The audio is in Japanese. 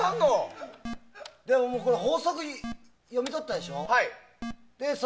法則、読み取ったでしょ。